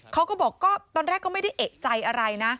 เขาก็บอกก็ตอนแรกก็ไม่ได้เอกใจอะไรนะ